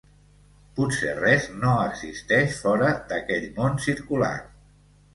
Potser res no existeix fora d'aquell món circular.